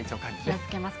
気をつけます。